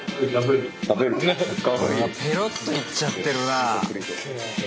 ペロッといっちゃってるなあ。